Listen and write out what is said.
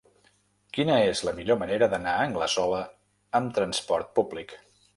Quina és la millor manera d'anar a Anglesola amb trasport públic?